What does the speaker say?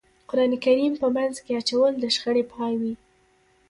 قرآن کریم په منځ کې اچول د شخړې پای وي.